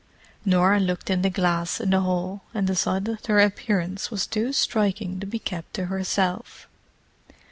Norah looked in the glass in the hall, and decided that her appearance was too striking to be kept to herself.